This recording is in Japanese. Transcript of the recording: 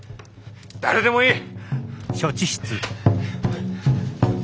誰でもいい。